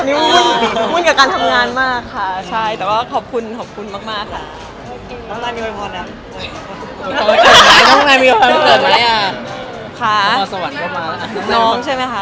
ไม่เรายังไม่คิดถึงตรงนั้นเลย